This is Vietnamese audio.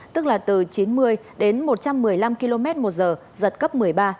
tức là từ chín mươi đến một trăm một mươi năm km một giờ giật cấp một mươi ba